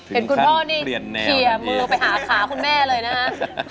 เห็นคุณพ่อนี่เคลียร์มือไปหาขาคุณแม่เลยนะฮะ